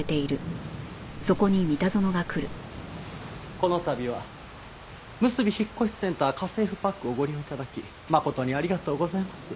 この度はむすび引越センター家政婦パックをご利用頂き誠にありがとうございます。